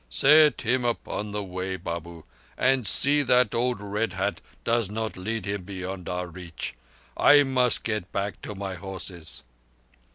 Set him upon the way, Babu, and see that old Red Hat does not lead him beyond our reach. I must get back to my horses."